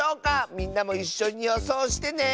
みんなもいっしょによそうしてね！